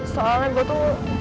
soalnya gue tuh